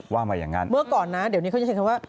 ว่ามาอย่างนั้นเมื่อก่อนนะเดี๋ยวนี้เขาจะใช้คำว่า